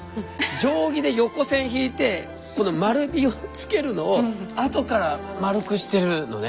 定規で横線引いてこの丸みを付けるのを後から丸くしてるのね。